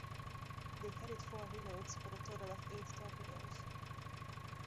They carried four reloads, for a total of eight torpedoes.